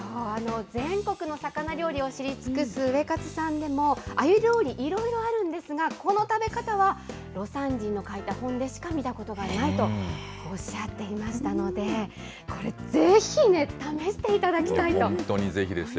全国の魚料理を知り尽くすウエカツさんでも、あゆ料理、いろいろあるんですが、この食べ方は魯山人の書いた本でしか見たことがないとおっしゃっていましたので、これ、ぜひね、本当にぜひですよ。